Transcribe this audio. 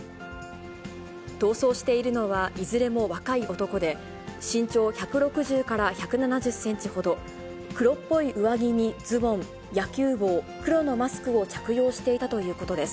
逃走しているのはいずれも若い男で、身長１６０から１７０センチほど、黒っぽい上着にズボン、野球帽、黒のマスクを着用していたということです。